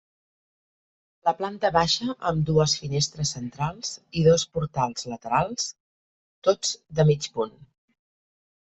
La planta baixa amb dues finestres centrals i dos portals laterals, tots de mig punt.